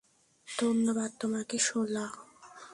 ধন্যবাদ তোমাকে, শোলা!